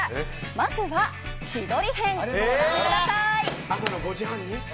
まずは千鳥編、ご覧ください。